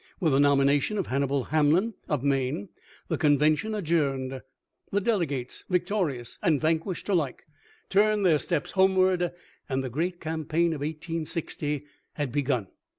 With the nomination of Hannibal Hamlin, of Maine, the convention adjourned. The delegates — victorious and van quished alike — turned their steps homeward, and the great campaign of i860 had begun.